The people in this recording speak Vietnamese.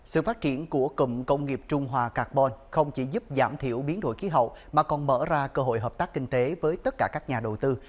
sự phát triển của cụm công nghiệp trung hòa carbon không chỉ giúp giảm thiểu biến đổi khí hậu mà còn mở ra cơ hội hợp tác kinh tế với tất cả các nhà đầu tư